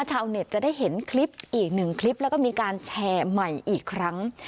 ชาวเน็ตจะได้เห็นคลิปอีกหนึ่งคลิปแล้วก็มีการแชร์ใหม่อีกครั้ง